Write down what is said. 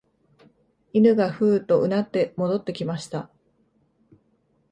犬がふうと唸って戻ってきました